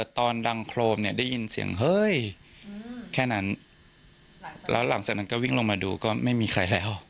ตอนดังโครมเนี่ยได้ยินเสียงเฮ้ยแค่นั้นแล้วหลังจากนั้นก็วิ่งลงมาดูก็ไม่มีใครแล้ว